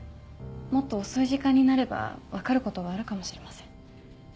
もっと遅い時間になれば分かることがあるかもしれません。